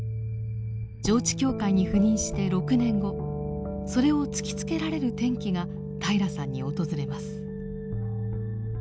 上地教会に赴任して６年後それを突きつけられる転機が平良さんに訪れます。